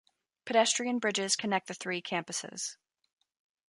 Pedestrian bridges connect the three campusess.